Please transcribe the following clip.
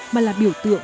mà là biểu tượng